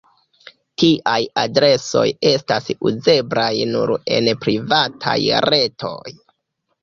Tiaj adresoj estas uzeblaj nur en "privataj" retoj.